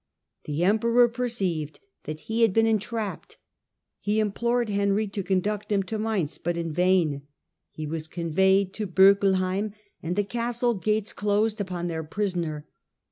The emperor perceived Bockeibeim ^jj^t ho had been entrapped; he implored Henry tO conduct him to Mainz, but in vain ; he was conveyed to BSckelheim, and the castle gates closed upon their prisoner.